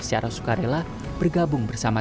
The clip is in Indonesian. saya juga bawa karun bintang